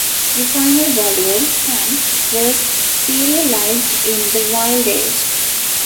The final volume, "Sun", was serialized in "The Wild Age".